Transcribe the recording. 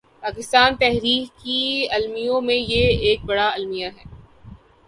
پاکستانی تاریخ کے المیوں میں یہ ایک بڑا المیہ ہے۔